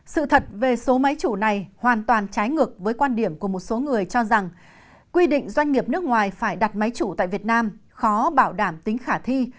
sự thật về số máy chủ này hoàn toàn trái ngược với quan điểm của một số người cho rằng quy định doanh nghiệp nước ngoài phải đặt máy chủ tại việt nam khó bảo đảm tính khả thi